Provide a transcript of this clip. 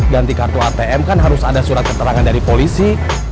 ganti kartu atm kan harus ada surat keterangan dari polisi